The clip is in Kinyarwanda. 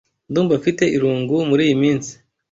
Ndumva mfite irungu muriyi minsi.